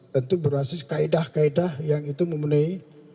tentu berbasis kaedah kaedah yang itu memenuhi